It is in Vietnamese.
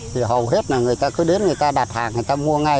thì hầu hết là người ta cứ đến người ta đặt hàng người ta mua ngay